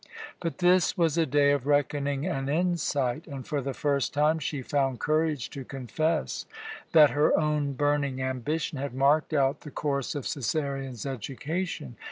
But this was a day of reckoning and insight, and for the first time she found courage to confess that her own burning ambition had marked out the course of Cæsarion's education.